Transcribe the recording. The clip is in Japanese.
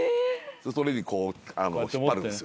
それ引っ張るんですよ。